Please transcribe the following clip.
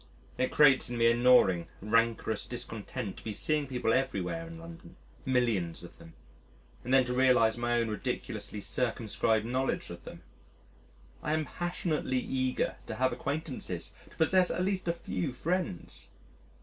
It creates in me a gnawing, rancorous discontent to be seeing people everywhere in London millions of them and then to realise my own ridiculously circumscribed knowledge of them. I am passionately eager to have acquaintances, to possess at least a few friends.